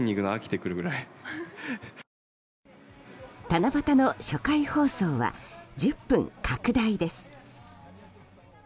七夕の初回放送は１０分拡大です。